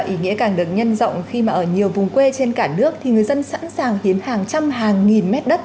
ý nghĩa càng được nhân rộng khi mà ở nhiều vùng quê trên cả nước thì người dân sẵn sàng hiến hàng trăm hàng nghìn mét đất